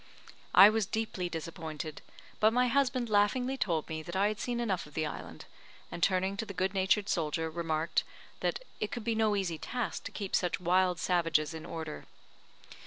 I was deeply disappointed, but my husband laughingly told me that I had seen enough of the island; and turning to the good natured soldier, remarked, that "it could be no easy task to keep such wild savages in order."